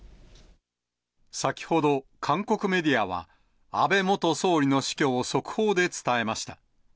先ほど、韓国メディアは安倍元総理の死去を速報で伝えました。